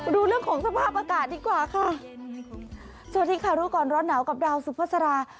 ดูเรื่องของสภาพอากาศดีกว่าค่ะสวัสดีค่ะรู้ก่อนร้อนหนาวกับดาวสุภาษา